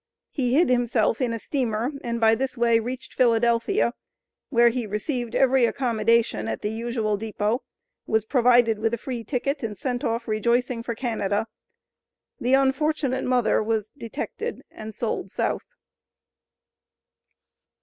He hid himself in a steamer, and by this way reached Philadelphia, where he received every accommodation at the usual depot, was provided with a free ticket, and sent off rejoicing for Canada. The unfortunate mother was "detected and sold South."